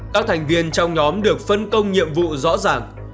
các thành viên trong nhóm được phân công nhiệm vụ rõ ràng